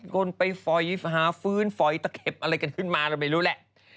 คนไปฝอยหาฟื้นฟอยตะเข็บอะไรกันขึ้นมาเราไม่รู้แหละ